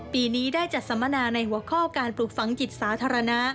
ปีนี้ได้จัดสัมมนาในหัวข้อการปลูกฝังจิตสาธารณะ